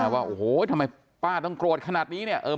ว่าโอ้โหทำไมป้าต้องโกรธขนาดนี้เนี่ย